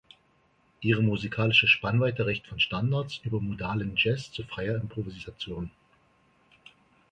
Ihre musikalische Spannweite reicht von Standards über modalen Jazz zu freier Improvisation.